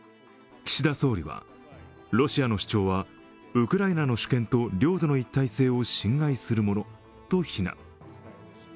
岸田総理は、ロシアの主張はウクライナの主権と領土の一体性を侵害するものと非難。